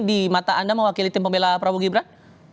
di mata anda mewakili tim pembela prabowo gibran